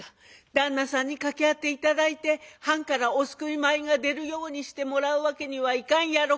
「旦那さんに掛け合って頂いて藩からお救い米が出るようにしてもらうわけにはいかんやろか？」。